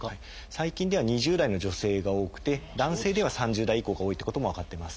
最近では２０代の女性が多くて男性では３０代以降が多いっていうことも分かってます。